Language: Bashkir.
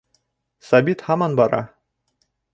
Сабит һаман бара.